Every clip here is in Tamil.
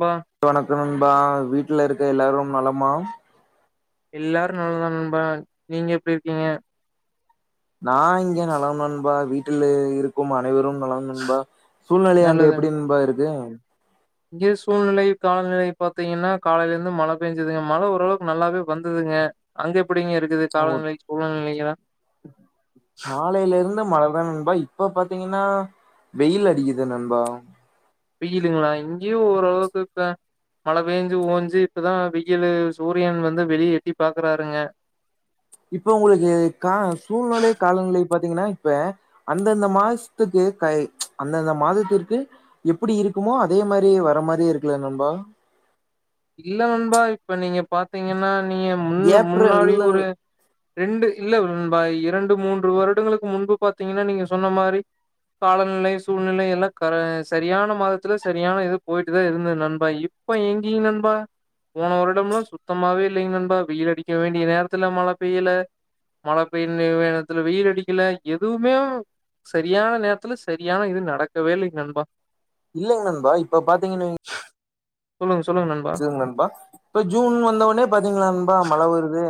பா வணக்கம் நண்பா வீட்ல இருக்குற எல்லாரும் நலமா எல்லாரு நலம் நண்பா நீங்க எப்டி இருக்கீங்க நா இங்க நலம் நண்பா வீட்ல இருக்கும் அனைவரும் நலம் நண்பா சூழ்நிலை அங்க நல்லது எப்பிடி நண்பா இருக்கு இங்க சூழ்நிலை காலநிலை பாத்தீங்கன்னா காலையில இருந்து மழ பெஞ்சுதுங்க மழ ஓரளவுக்கு நல்லாவே வந்ததுங்க அங்க எப்பிடிங்க இருக் ஓர் காலைலருந்த மழைதா நண் இப்ப இப்ப பாத்தீங்கன்னா வெயில் அடிக்கிது நண்பா வெயிலுங்களா இங்கேயு ஓரளவுக்கு இப்ப மழ பேஞ்சு ஓஞ்சு இப்பதா வெயிலு சூரியன் வந்து வெளிய எட்டி பாக்குறாருங்க இப்ப உங்களுக்கு கா சூழ்நிலை காலநிலை பாத்தீங்கன்னா இப்ப அந்தந்த மாசத்துக்கு கை அந்தந்த மாதத்திற்கு எப்புடி இருக்குமோ அதே மாரி வர மாரியே இருக்குல நண்பா இல்ல நண்பா இப்ப நீங்க பாத்தீங்கன்னா நீங்க முன்னு ஏப்ரல் முன்னாடி ஒரு ரெண்டு இல்ல ப்ரோ நண்பா இரண்டு மூன்று வருடங்களுக்கு முன்பு பாத்தீங்கன்னா நீங்க சொன்ன மாரி காலநிலை சூழ்நிலை எல்லா க சரியான மாதத்துல சரியான இது போயிட்டுது இருந்தது நண்பா இப் இப்ப இங்கீங் நண் பா போன வருடம்லா சுத்தமாவே இல்லைங்க நண்பா வெயில் அடிக்க வேண்டிய நேரத்துல மழ பெய்யல மழ பெய்ற நே நேரத்துல வெயில் அடிக்கல எதுமே சரியான நேரத்துல சரியான இது நடக்கவே இல்லை நண்பா இல்லைங்க நண்பா இப்ப பாத்தீங்கன்னு சொல்லுங்க சொல்லுங்க நண்பா இல்லங்க நண்பா இப்ப ஜூன் வந்த உடனே பாத்தீங்கன்னா நண்பா மழ வருது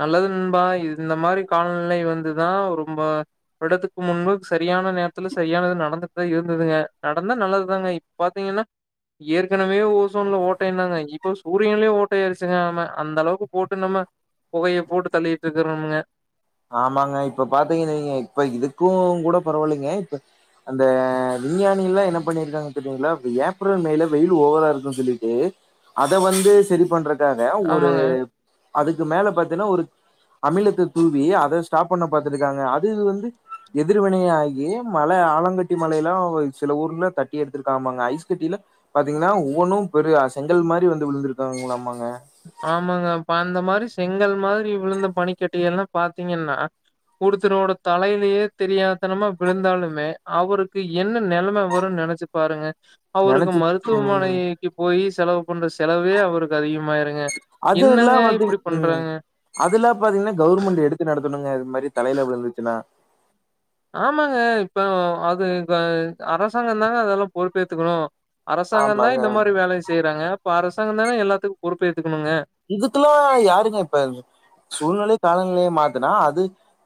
நல்லது நண்பா இது இந்த மாரி காலநிலை வந்துதா ரொம்ப ஒரு எடதுக்கு முன்பு சரியான நேரத்துல சரியான இது நடந்துட்டுதா இருந்ததுங்க நடந்தா நல்லதுதாங்க இப் பாத்தீங்கன்னா ஏற்கனவே ஓசோன்ல ஓட்டைனாங்க இப்போ சூரியன்லேயே ஓட்டை ஆயிடுச்சுங்க ஆமா அந்த அளவுக்கு போட்டு நம்ம புகையை போட்டு தள்ளிட்டு இருக்குறம்ங்க ஆமாங்க இப்ப பாத்திங்கன் வைங் இப்ப இதுக்கு கூட பரவால்லெங்கெ இப்ப அந்த விஞ்ஞானிகல்லா என்ன பண்ணியிருக்காங்கன் தெறியுங்ளா இப்ப ஏப்ரல் மேல வெயில் ஓவரா இருக்குன் சொல்லிட்டு அத வந்து சரி பண்றக் காக ஒரு ஆமாங்க, அதுக்கு மேல பாத்தீன்னா ஒரு அமிலத்த தூவி வி அத ஸ்டாப் பண்ண பத்திருக்காங்க அது வந்து எதிர்வினை ஆகி மல ஆலங்கட்டி மலைலா சில ஊர்ல தட்டி எடுத்துருக்காம்மாங்க ஐஸ்கட்டியிலா பாத்தீங்கன்னா ஒவ்வொன்னு பெரிய செங்கல் மாரி வந்து விழுந்திருக்காங்களாமாங்க ஆமாங்க அப்ப அந்த மாரி செங்கல் மாரி விழுந்த பனிக்கட்டிகள்லாம் பாத்தீங்கன்னா ஒருத்தனோடட தலையிலயே தெரியாதனமா விழுந்தாலுமே அவருக்கு என்ன நெலம வரும்னு நெனச்சு பாருங்க அவருக்கு நெனச்சு ம் மருத்துவமனைக்கு போயி செலவு பண்ற செலவே அவருக்கு அதிகமாயிருங்க அது எல்லா என்னங்க வந்து இப்படி பண்றாங்க? ம் அதுலாம் பாத்தீங்கன்னா கவுர்மெண்ட்டு எடுத்து நடத்தணுங்க இது மாரி தலையில விழுந்துச்சுன்னா ஆமாங்க இப்ப அது த அரசாங்கோ தாங்க அதெல்லா பொறுப்பேத்துக்கணு அரசாங்கந் தா ஆமாங்க இந்த மாரி வேலைய செய்றாங்க ப்ப அரசாங்கந் தான எல்லாத்துக்கு பொறுப்பேத்துக்கணுங்க இதுக்குல்லா யாருங்க இப்ப சூழ்நிலை காலநிலைய மாத்துனா அது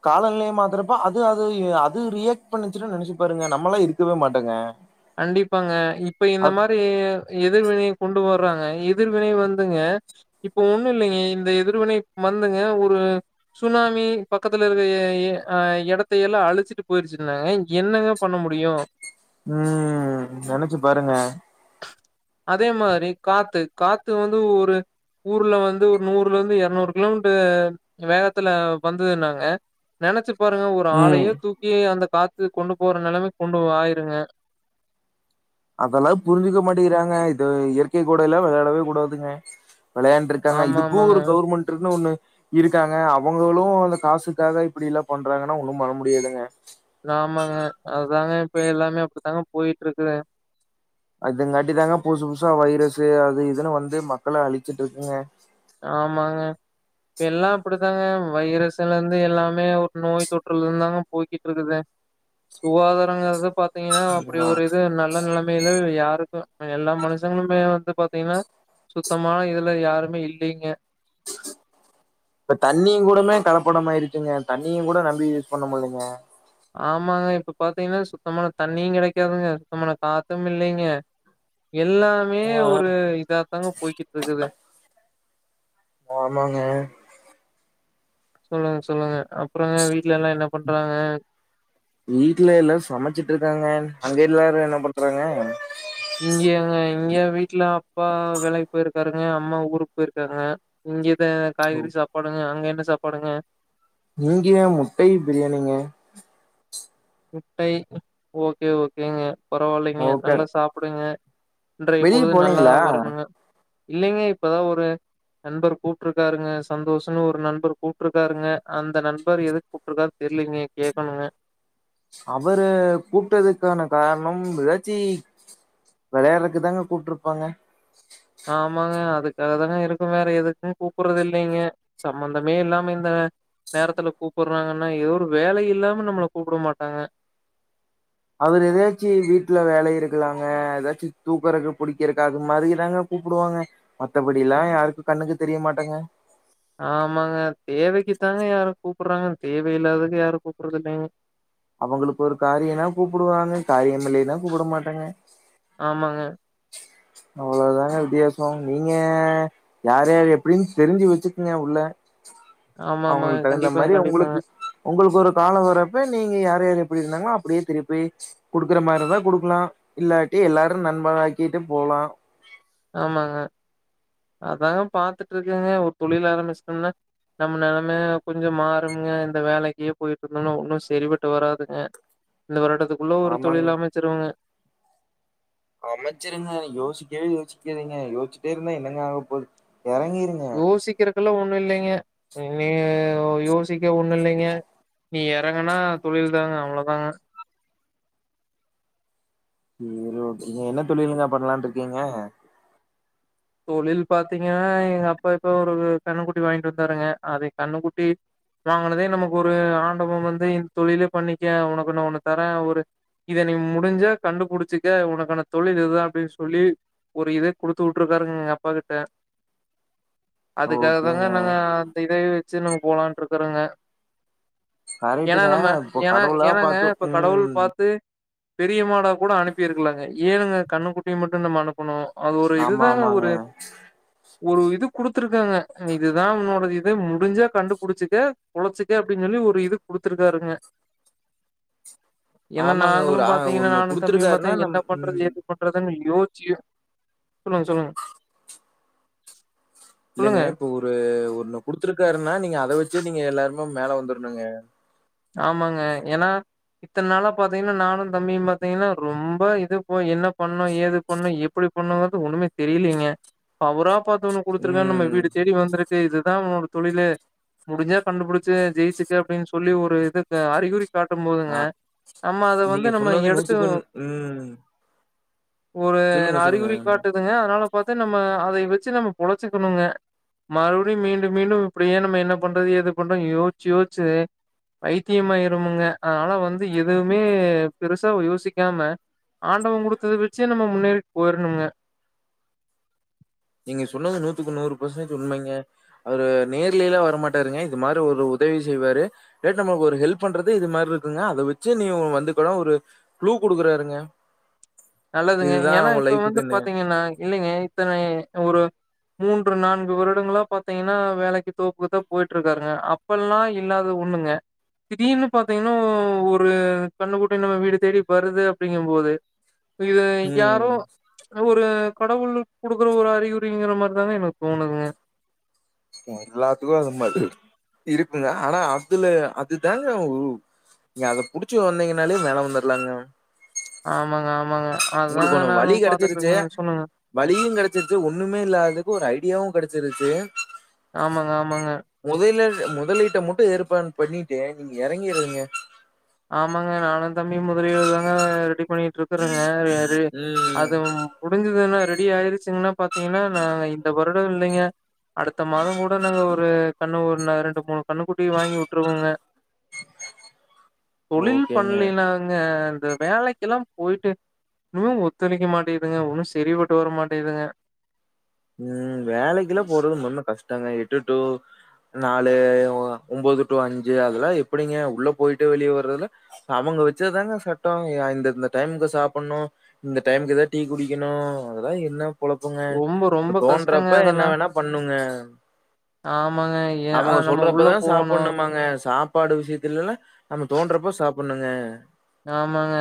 காலநிலைய மாத்தறப்பா அது அது அது ரியாக்ட் பண்ணிச்சுன்ன நெனச்சு பாருங்க நம்மல்லா இருக்கவே மாட்டங்க கண்டிப்பாங்க இப்ப இந்த மாரி எதிர்வினைைய கொண்டு வர்றாங்க எதிர்வினை வந்துங்க இப்ப ஒண்ணு இல்லைங்க இந்த எதிர்வினை வந்துங்க ஒரு சுனாமி பக்கத்துல இருக்க எ எ அ எடத்த எல்லா அழிச்சிட்டு போயிருச்சுனாங்க என்னங்க பண்ண முடியு ம் நெனச்சு ஆஹ அதே மாரி காத்து காத்து வந்து ஒரு ஊர்ல வந்து ஒரு நூறுல இருந்து எரநூறு கிலோமீட்டர் வேகத்துல வந்தது நாங்க நெனச்சு பாருங்க ஒரு ம் ஆளையே தூக்கி அந்த காத்து கொண்டு போற நேலமைக்கு கொண்டு ஆயிருங்க அதல்லா புரிஞ்சுக்க மாட்டிக்றாங்க இத இயற்கை கூடை எல்லா விளையாடவே கூடாதுங்க விளையாண்ட்ருக்காங்க ஆமா, இதுக்கு ஆமாங்க. ஒரு கவுர்மெண்ட் இருக்ன்னு ஒண்ணு இருக்காங்க அவங்களு‌அந்த காசுக்காக இப்டில்லா பண்றாங்கன்னா ஒன்னும் பண்ண முடியாதுங்க ஆமாங்க அதுதாங்க இப்ப எல்லாமே அப்டித்தாங்க போயிட்ருக்குற அதுங்காட்டி தாங்க புதுசு புதுசா வைரஸு அது இதுன்னு வந்து மக்கள அழிச்சிட்ருக்குங்க ஆமாங்க இப்ப எல்லா அப்டித்தாங்க வைரஸீலேந்து எல்லாமே ஒரு நோய் தொற்றுல இருந்துந்தாங்க போய்கிட்டு இருக்குது சுகாதாரங்குறது பாத்தீங்கன்னா அப்படி சரிங்களா ஒரு இது நல்ல நலம [unintelligible] யாருக்கு எல்லா மனுஷங்களுமே வந்து பாத்திங்கன்னா சுத்தமான இதுல யாருமே இல் இல்லீங்க இப்ப தண்ணியு கூடமே கலப்படமாயிடுச்சுங்க தண்ணியு கூட நம்பி யூஸ் பண்ண முட்லேங்க ஆமாங்க இப்ப பாத்தீங்கன்னா சுத்தமான தண்ணியு கடைக்காதுங்க சுத்தமான காத்து இல்லைங்க எல்லாமே ஒரு இதா தாங்க போய்கிட்ருக்குது ஆமாங்க சொல்லுங்க சொல்லுங்க அப்புறங்க வீட்ல எல்லா என்ன பண்றாங்க வீட்ல எல்லாரு சமச்சிட்டு இருக்காங்க அங்க எல்லாரு என்ன பண்றாங்க இங்கங்க இங்க வீட்ல அப்பா வேலைக்கு போயிருக் இருக்காருங்க அம்மா ஊருக்கு போயிருக்காங்க இங்கதே காய்கறி சாப்பாடுங்க அங்க என்ன சாப்பாடுங்க இங்கே முட்டை பிரியாணிங்க முட்டை ஓகே ஓகேங்க பரவாயில்லைங்க ஓகே நல்லா சாப்புடுங்க இன்றைய வெளிய பொழுது நல்லா போனீங்களா வரணுங்க இல்லைங்க இப்பதா ஒரு நண்பர் கூப்ட்ருக்காருங்க சந்தோஷ்ன்னு ஒரு நண்பர் கூப்ட்ருக்காருங்க அந்த நண்பர் எதுக் கூப்ட்டுருக்கார் தெரியலீங்க கேக்கணுங்க அவரு கூப்பிட்டதுக்கான காரணம் எதாச்சி வெளயாடுறதுக்கு தாங்க கூப்ட்டுருப்பாங்க ஆமாங்க அதுக்கா தாங்க இருக்கு வேற எதுக்கு கூப்ட்றது இல்லைங்க சம்பந்தமே இல்லாம இந்த நேரத்துல கூப்புடுறாங்கன்னா ஏதோ ஒரு வேல இல்லாம நம்மள கூப்ட மாட்டாங்க அவரு எதாச்சு வீட்ல வேல இருக்கலாங்க எதாச்சு தூக்குறக்கு புடிக்கிறக்கு அது மாரிதாங்க கூப்டுவாங்க மத்தபடிலா யாருக்கு கண்ணுக்கு தெரிய மாட்டேங்க ஆமாங்க தேவைக்குத்தாங்க யாரு கூப்புடுறாங்க தேவையில்லாததக்கு யாரு கூப்புடுறது இல்லங்க அவங்களுக்கு ஒரு காரியனா கூப்டுவறாங்க காரியமில்லைன்னா கூப்புட மாட்டாங்க ஆமாங்க அவ்ளோ தாங்க வித்தியாச நீங்க யார் யார் எப்டின் தெரிஞ்சு வச்சுக்கங்க உள்ள ஆமாமா. அவுங்களுக்கு தகுந்த கண்டிப்பாங்க, மாரி கண்டிப்பாங்க. அவுங்களுக்கு உங்களுக்கு ஒரு கால வரப்ப நீங்க யார் யார் எப்டி இருந்தாங்களோ அப்டியே திருப்பி குடுக்குற மாரிந்தா குடுக்கலா இல்லாட்டி எல்லாரு நண்பனாக்கிட்டு போலா ஆமாங்க அதாங்க பாத்துட்டு இருக்கங்க ஒரு தொழில் ஆரம்பிச்சிட்டம்னா நம்ம நெலம கொஞ்ச மாறுங்க இந்த வேலைக்கே போயிட்டு இருந்தோன்னா ஒன்னு சரிபட்டு வராதுங்க இந்த வருடத்துக்குள்ள ஒரு ஆமாங்க. தொழில அமச்சிருவங்க அமச்சிருங்க யோசிக்கவே யோசிக்காதிங்க யோசிச்சிட்டே இருந்தா என்னங்க ஆக போது எறங்கிருங்க யோசிக்றக்கல்லா ஒன்னு இல்லைங்க இனி யோசிக்க ஒன்னு இல்லைங்க நீ எறங்குனா தொழில் தாங்க அவ்ளோதாங்க ஈரோடு நீங்க என்ன தொழிலுங்க பண்லான்னுருக்கீங்க தொழில் பாத்தீங்கன்னா எங்க அப்பா இப்ப ஒரு கன்னுக்குட்டி வாங்கிட்டு வந்தாருங்க அது கன்னுக்குட்டி வாங்குனதே நமக்கு ஒரு ஆண்டவ வந்து இந்த தொழிலே பண்ணிக்க உனக்குன்னு ஒன்னு தரே ஒரு இத நீ முடிஞ்சா கண்டுபிடிச்சுக்க உனக்கான தொழில் இதுதா அப்டின்னு சொல்லி ஒரு இத குடுத்து வு விட்ருக்காருங்க எங்க அப்பா கிட்ட அதுக்காக தாங்க ஓகேங்க நாங்க அந்த இதையே செரி நம்ம போலான்ட்ருக்குறங்க ஏன்னா கரெக்ட்டுங்க நம்ம இப்போ எனா கடவுளா எனாங்க பாத்து இப்ப கடவுள் ம் பாத்து பெரிய மாடா கூட அனுப்பிருக்கலாங்க ஏனுங்க கன்னு குட்டிய மட்டு நம்ம அனுப்பனு அது ஒரு இது உம் ஒரு இது குடுத்துருக்காங்க இதுதா உன்னோடது இது முடிஞ்சா கண்டுபுடிச்சுக்க பொழச்சுக்க அப்டின் சொல்லி ஒரு இது குடுத்துருக்காருங்க ஏன்னா ஆமாங்க நாங்களு ஒரு ஆ பாத்தீங்கன்னா ஒண்ணு நானு தம்பி பாத்தா குடுத்துருக்காருன்னா நம் என்ன பண்றது ம் ஏது பண்றதுன் யோச்சு யோ சொல்லுங்க சொல்லுங்க இல்லங்க சொல்லுங்க இப்ப ஒரு ஒன்னு குடுத்துருக்காருன்னா நீங்க அத வச்சே நீங்க எல்லாருமே மேல வந்துருணுங்க ஆமாங்க ஏன்னா இத்தனாலா பாத்தீங்கன்னா நானு தம்பியு பாத்தீங்கன்னா ரொம்ப இது போய் என்ன பண்ணு ஏது பண்ணு ப்படி பண்ணுங்கது ஒன்னுமே தெரியலீங்க அவரா பாத்து ஒன்னு குடுத்துருக்காரு நம்ம ம் வீடு தேடி வந்துருக்கு ட்டு இதுதா உ தொழிலு முடிஞ்சா கண்டுபிடிச்சு ஜெயிச்சுக்க அப்டின்னு சொல்லி ஒ இதுக்கு அறிகுறி காட்டும் போதுங்க ஆ நம்ம அத வந்து நீங்க நம்ம சொன்னது எடுத்து நூத்துக்கு நூ- ம் ஒரு நா சொல்லுங்க அறிகுறி சொல்லுங்க காட்டுதுங்க அதனால பாத்து நம்ம அத வச்சு நம்ம பொழச்சுக்கணுங்க மறுபடியு மீண்டு மீண்டு இப்டியே நம்ம என்ன பண்றது ஏது பண்றதுன் யோசிச்சு யோசிச்சு பைத்தியமா ஆயிருமுங்க அதனால வந்து எதுமே பெருசா யோசிக்காம ஆண்டவ குடுத்தத வெச்சு நம்ம முன்னேறிட்டு போயிரணுங்க நீங்க சொன்னது நூத்துக்கு நூறு பர்சன்டேஜ் உண்மைங்க அவரு நேர்லல்லா வரமாட்டாருங்க இது மாரி ஒரு உதவி செய்வாரு ரேட் நம ஒரு ஹெல்ப் பண்றது இது மாரி இருக்குங்க அத வச்சு நீங்க வந்து கூட ஒரு க்ளூ குடுக்குறாருங்க நல்லதுங்க இதுதா ஏன்னா உ இப்ப வந்து லைஃபுக்குன்னு பாத்தீங்கன்னா இல்லைங்க இத்தனை ஒரு மூன்று நான்கு வருடங்களா பாத்தீங்கன்னா வேலைக்கு தோப்புதா போய்ட்டு இருக்காருங்க அப் இப்பல்லா இல்லாது ஒண்ணுங்க திடீர்னு பாத்தீங்கன்னா ஒரு கண்ணுக்குட்டி நம்ம வீடு தேடி வருது அப்டிங்கு போது இப்ப இது யாரோ ம் ஒரு கடவுளுக்கு குடுக்கற ஒரு அறிகுறிங்கற மாரிதாங்க எனக்கு தோணுதுங்க எல்லாத்துக்கு அது மாதிரி இருக்குங்க அனா அதுல அதுதாங்க [unintelligible] நீங்க அத புடிச்சி வந்தீங்கனாலே மேல வந்துட்லாங்க ஆமாங்க ஆமாங்க உங்களுக்கு அதுதாங்க ஒன்னு நானு வழி கெடச்சிருச்சு பாத்துட்ருக்கங்க சொல்லுங்க வழியு கடைச்சிருச்சு ஒண்ணுமே இல்லதுக்கு ஒரு ஐடியாவு கடைச்சிருச்சு ஆமாங்க ஆமாங்க முதைல முதலீட்ட மட்டு ஏற்பான் பண்ணீட்டு நீங்க இறங்கிருவீங்க ஆமாங்க நானு தம்பியூ முதலீடு தாங்க ரெடி பண்ணீட்ருக்கறங்க ரே ம் அதும் முடிஞ்சதுன்னா ரெடி ஆயிருச்சுங்கன்னா பாத்தீங்கன்னா நாங்க இந்த வருடோ இல்லைங்க அடுத்த மாத கூட நாங்க ஒரு கண்ணு ஒன்ன ரெண்டு மூணு கண்ணுக்குட்டி வாங்கி விட்ருவோங்க தொழில் ஓகேங்க பண்ணலினாங்க இந்த வேலைக்கெல்லா போய்ட்டு னு ஒத்துழைக்க மாட்டிக்குதுங்க ஒன்னு செரிபட்டு வர மாட்டிகுதுங்க ம் வேலைக்குல்லா போறது முன்ன கஷ்டங்க எட்டு டூ நாலு ஒன்போது டு அஞ்சு அதெல்லா எப்டிங்க உள்ள போய்ட்டு வெளியே வர்றதுல அவங்க வச்சதுதாங்க சட்டோ யா இந்த இந்த டைமுக்கு சாப்பட்ணு இந்த டைமுக்கு தா டீ குடிக்கணு அதல்லா என்ன பொழப்புங்க ரொம்ப இப்ப ரொம்ப கஷ்டங்க தோன்றப்ப அதெல்லாம். என்ன வேணா பண்ணுங்க ஆமாங்க ஏ அ அவுங்க நம்ம உள்ள சொல்றப்பதா போணும். சாப்ட்ணுமாங்கா சாப் ப்பாடு விஷயத்துலல்லா நம்ம தோன்றப்ப சாப்பட்ணுங்க ஆமாங்க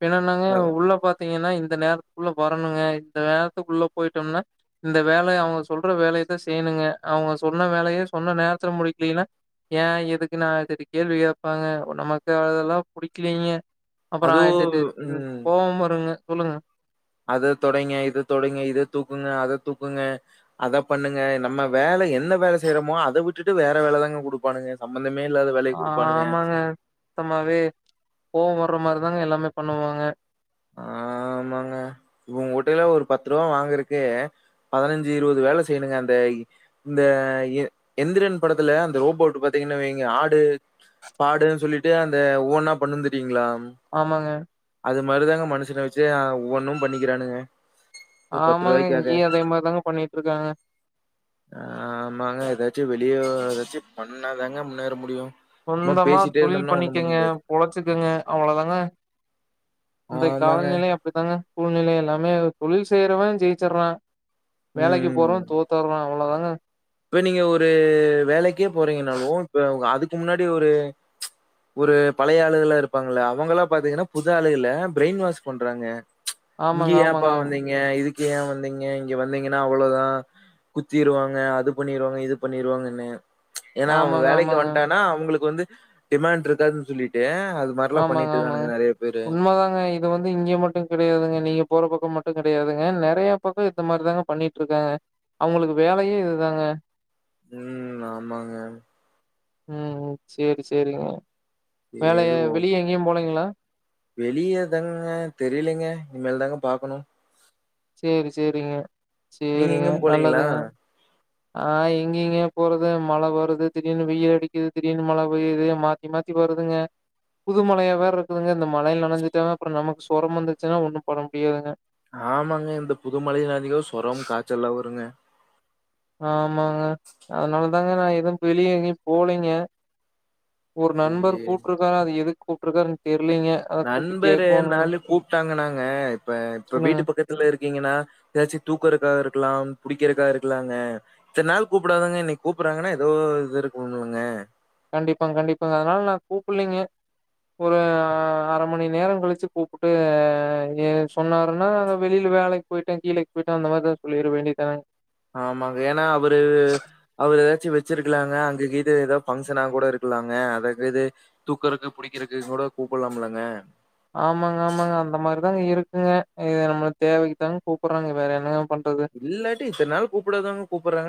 பின்னனாங்க உள்ள பாத் திங்கன்னா இந்த நேரத்துக்குள்ள வரணுங்க இந்த நேரத்துக்குள்ள போயிட்டம்னா இந்த வேலைய அவுங்க சொல்ற வேலையத்தா செய்யணுங்க அவுங்க சொன்ன வேலையே சொன்ன நேரத்த முடிக்கலன்னா ஏன் எதுக்குன்னு ஆய்ரத்தி எட்டு கேள்வி கேட்பாங்க நமக்கு அதெல்லா புடிக்கிலிங்க அப்பறோ அதுவு ஆயிரத்தி எட்டு ம் கோவமு வருங்க சொல்லுங்க அத தொடைங்க இத தொடைங்க இத தூக்குங்க அத தூக்குங்க அத பண்ணுங்க நம்ம வேல என்ன வேல செய்றமோ அத விட்டுட்டு வேற வேலதாங்க குடுக் பானுங்க சம்பந்தமே இல்லாத வேலைய குடுப்பானுங்க ஆமாங்க. சுத்தமாவே கோவோ வர்ற மார்தாங்க எல்லாமே பண்ணுவாங்க ஆ ஆமாங்க உங்க குட்டயில ஒரு பத்து ரூபா வாங்கறக்கு பதினஞ்சு இருவது வேல செய்யணுங்க அந்த இந்த எ எந்திரன் படத்துல அந்த ரோபோட் பாத்திங்கன்னு வைங்க ஆடு பாடுன்னு சொல்லிட்டு அந்த ஒவ்வொன்னா பண்ணுந்துட்டீங்களா ஆமாங்க மருதாங்க மனுசன வச்சு ஆ ஒவ்வொன்னு பண்ணிக்கிறானுங்க ஒரு ரூ. ஆமாங்க இங்கயு அதே மார்தாங்க பண்ணீட்ருக்காங்க ஆமாங்க எதாச்சு வெளிய எதாச்சு பண்ணாதாங்க முன்னேற முடியு சொந்தமா தொழில் பண்ணிக்கங்க பொழச்சுக்குங்க அவ்ளோதாங்க இந்த ஆமாங்க. காலநிலை அப்டித்தாங்க சூழ்நிலை எல்லாமே தொழில் செய்யறவன் ஜெயிச்சடுறா வேலைக்கு ம். போறோ தோத்துர்றோ அவ்ளோதாங்க இப்ப நீங்க ஒரு வேலைக்கே போறீங்கனாலு இப்ப உங்க அதுக்கு முன்னாடி ஒரு ஒரு பழைய ஆளுங்களா இருப்பாங்கள அவங்கல்லாம் பாத்தீங்கன்னா புது ஆளுகள ப்ரெயின் வாஷ் பண்றாங்க இங்க ஆமாங்க, ஏன்ப்பா ஆமாங்க. வந்தீங்க இதுக்கு ஏன் வந்தீங்க இங்க வந்தீங்கன்னா அவ்வளோதான் குத்திருவாங்க அது பண்ணிருவாங்க இது பண்ணிருவாங்கன்னு ஏன்னா அவன் ஆமாங்க, வேலைக்கு ஆமாங்க. வந்ட்டான ஆனா அவுங்களுக்கு வந்து டிமாண்ட் இருக்காதுன்னு சொல்லிட்டு அது மாரிலா ஆமாங்க பண்ணிட்டு ஆமாங்க இருக்கானுங்க நெறைய பேரு. உண்மதாங்க இது வந்து இங்க மட்டும் கிடையாதுங்க நீங்க போற பக்கம் மட்டும் கிடையாதுங்க நறைய பக்கம் இந்த மாதிரி தாங்க பண்ணிட்டு இருக்காங்க அவுங்களுக்கு வேலையே இதுதாங்க ம் ஆமாங்க ம் செரி செரிங்க எதுவும் வெளியேதங்க தெரியலெங்க இனிமேல் தாங்க பாக்கணு சேரி சேரிங்க நீங்க சேரிங்க எங்கயும் போலீங்களா? நல்லதுங்க [inaudible] ஆ எங்க இங்கயோ போறது மழ வருது திடீர்னு வெயில் அடிக்கிது திடீர்னு மழ பெய்யுது மா மாத்தி மாத்தி வருதுங்க புது மலையா வேற இருக்குதுங்க இந்த மலையில நனஞ்சிட்ட அப்புறம் நமக்கு சுரம் வந்துச்சுன்னா ஒன்னும் பட முடியாதுங்க ஆமாங்க இந்த புது மலையில [unintelligible] சொரம் காச்சல்லா வருங்க ஆமாங்க அதுனாலதாங்க நா எதுவு வெளிய எங்கயு போலெங்கெ ஒரு நண்பர் கூப்டுருக்காரா அது எதுக்கு கூப்பிருக்காருன்னு தெரிலீங்க நண்பரு நாலும் கூப்பிட்டாங்க நாங்க இப்ப இப்ப சொல்லுங்க. வீட்டு பக்கத்து இதுல இருக்கீங்கன்னா ஏதாச்சும் தூக்குதுக்கா இருக்கலாம் பிடிக்கிறதுக்கா இருக்கலாங்க இத்தன நாள் கூப்பிடாதங்க இன்னைக்கு கூப்பிடறாங்கன்னா ஏதோ இது இருக்குணும்ல்லுங்க கண்டிப்பாங்க கண்டிப்பாங்க அதனால நான் கூப்லீங்கலே ஒரு அர மணி நேரொ கழிச்சு கூப்புட்டு இங்கெ சொன்னாருன்னா வெளில வேலைக் போயிட்டன் கீழைக்கு போயிட்டன் அந்த மாதிரி சொல்லிற வேண்டியதான ஆமாங்க ஏனா அவரு அவரு எதாச்சு வெச்சிருக்கலாங்க அங்க கீது எதோ ஃபங்ஷனா கூட இருக்கலாங்க அதக் இது தூக்குறக்கு புடிக்கிறக்கு கொட கூப்பட்லாம்லங்க ஆமாங்க ஆமாங்க அந்த மாதிரிதாங்க இருக்கு இது நம்மள தேவைக்குத்தாங்க கூப்புடுறாங்க வேற என்னங்க பண்றது இல்லாட்டி இத்த நாள் கூப்புடாதவ்ங் கூப்புட்றாங்க